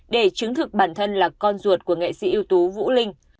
để chứng thực bản thân là con ruột của nghệ sĩ ưu tú vũ linh